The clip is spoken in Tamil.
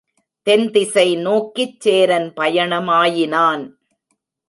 தென்திசை நோக்கிச் சேரன் பயணமா யினான்.